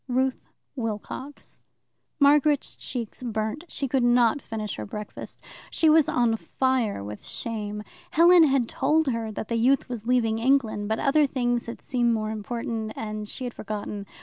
Ruth Wilcox Margaret's cheeks burnt. She could not finish her breakfast. She was on fire with shame. Helen had told her that the youth was leaving England, but other things had seemed more important, and she had forgotten.